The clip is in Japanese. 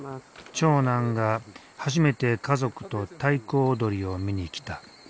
長男が初めて家族と太鼓踊りを見に来た。